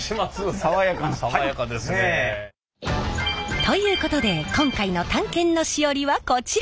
爽やかですね。ということで今回の探検のしおりはこちら。